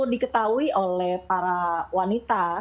diketahui oleh para wanita